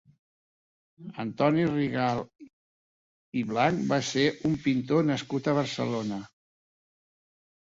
Antoni Rigalt i Blanch va ser un pintor nascut a Barcelona.